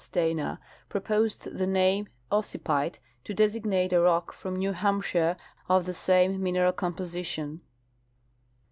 Dana proi30sed the name " ossipyte " to designate a rock from New Hampshire of the same mineral composition.